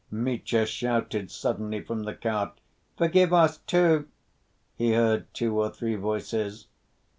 Mitya shouted suddenly from the cart. "Forgive us too!" he heard two or three voices.